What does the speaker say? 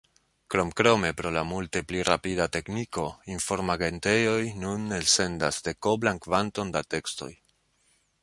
Kromkrome pro la multe pli rapida tekniko, informagentejoj nun elsendas dekoblan kvanton da tekstoj.